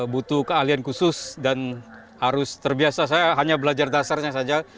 butuh keahlian khusus dan harus terbiasa saya hanya belajar dasarnya saja